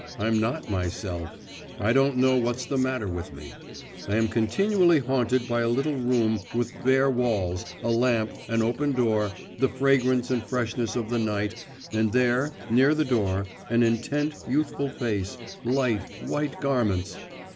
I'm not myself. I don't know what's the matter with me. I am continually haunted by a little room with bare walls, a lamp, an open door, the fragrance and freshness of the night, and there, near the door, an intent youthful face, light white garments.